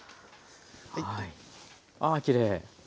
ああきれい。